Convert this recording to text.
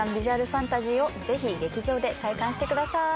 ファンタジーをぜひ劇場で体感してださい。